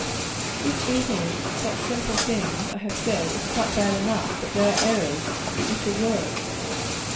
This eating of such simple things, I have said, is quite bad enough; but there are errors which are worse.